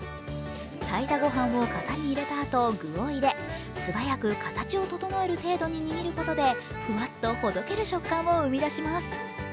炊いたごはんを型に入れたあと具を入れ素早く形を整える程度に握ることでふわっとほどける食感を生み出します。